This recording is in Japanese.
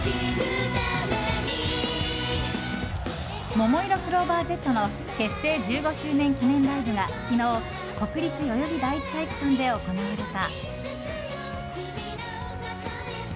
ももいろクローバーＺの結成１５周年記念ライブが昨日国立代々木第一体育館で行われた。